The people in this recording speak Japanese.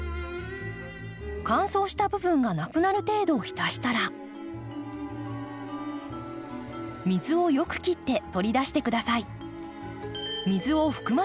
乾燥した部分がなくなる程度浸したら水をよく切って取り出して下さい。